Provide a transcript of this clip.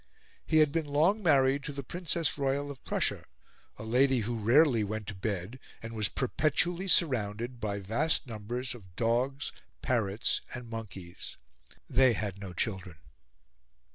He had been long married to the Princess Royal of Prussia, a lady who rarely went to bed and was perpetually surrounded by vast numbers of dogs, parrots, and monkeys. They had no children.